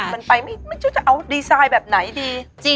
มันไปไม่ชุดเอาท์ดีไซน์แบบไหนดิ